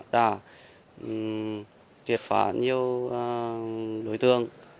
đã kiệt phá nhiều đối tượng